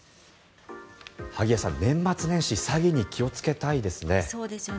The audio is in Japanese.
萩谷さん、年末年始詐欺に気をつけたいですね。